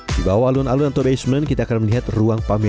di bawah alun alun atau basement kita akan melihat ruang pameran